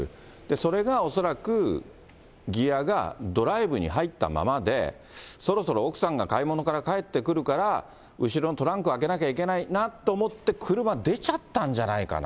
それが恐らく、ギアがドライブに入ったままで、そろそろ奥さんが買い物から帰ってくるから、後ろのトランク開けなきゃいけないなと思って、車出ちゃったんじゃないかな。